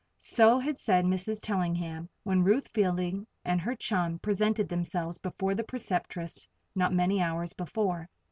So had said Mrs. Tellingham when Ruth Fielding and her chum presented themselves before the Preceptress not many hours before.